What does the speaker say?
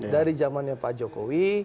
dari zamannya pak jokowi